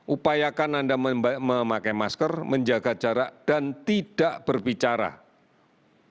upayakan anda memakai masker menjaga jarak dan tidak berbicara